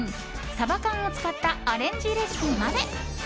サバ缶を使ったアレンジレシピまで。